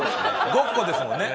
ごっこですもんね？